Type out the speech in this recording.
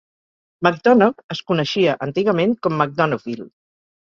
McDonogh es coneixia antigament com McDonoghville.